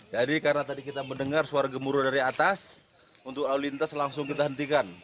jadi karena tadi kita mendengar suara gemuruh dari atas untuk lalu lintas langsung kita hentikan